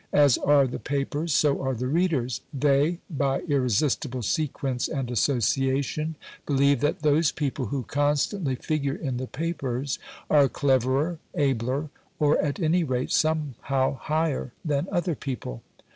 As are the papers, so are the readers; they, by irresistible sequence and association, believe that those people who constantly figure in the papers are cleverer, abler, or at any rate, somehow higher, than other people.